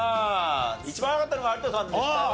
一番早かったのは有田さんでしたね。